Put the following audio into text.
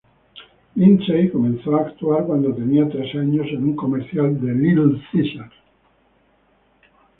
Lindsey comenzó a actuar cuando tenía tres años, en un comercial de Little Caesars.